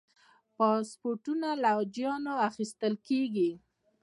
پاسپورتونه له حاجیانو اخیستل کېږي.